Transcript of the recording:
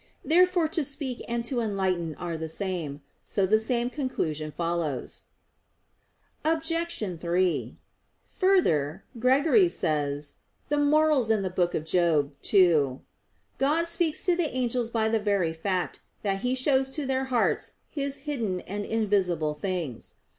Therefore to speak and to enlighten are the same; so the same conclusion follows. Obj. 3: Further, Gregory says (Moral. ii): "God speaks to the angels by the very fact that He shows to their hearts His hidden and invisible things."